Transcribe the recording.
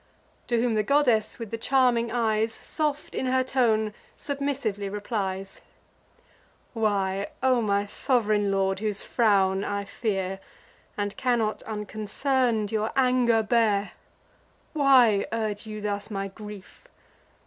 To whom the goddess with the charming eyes, Soft in her tone, submissively replies: "Why, O my sov'reign lord, whose frown I fear, And cannot, unconcern'd, your anger bear; Why urge you thus my grief?